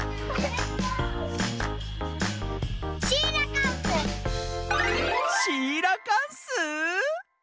シーラカンス！